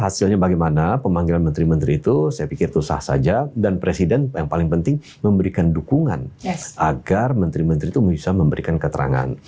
hasilnya bagaimana pemanggilan menteri menteri itu saya pikir itu sah saja dan presiden yang paling penting memberikan dukungan agar menteri menteri itu bisa memberikan keterangan